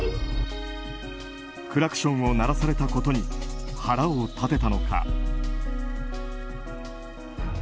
クラクションを鳴らされたことに腹を立てたのか。